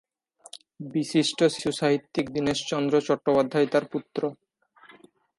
বিশিষ্ট শিশুসাহিত্যিক দীনেশচন্দ্র চট্টোপাধ্যায় তার পুত্র।